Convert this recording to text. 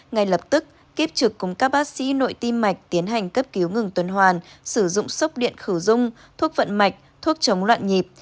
ngay lập tức kiếp trực cùng các bác sĩ nội tim mạch tiến hành cấp cứu ngừng tuần hoàn sử dụng sốc điện khử dung thuốc vận mạch thuốc chống loạn nhịp